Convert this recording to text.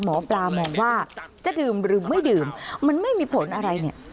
หมอปลามองว่าจะดื่มหรือไม่ดื่มมันไม่มีผลอะไรเนี่ย